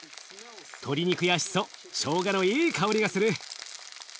鶏肉やしそしょうがのいい香りがする。